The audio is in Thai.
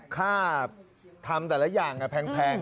ค่าทำแต่ละอย่างแพง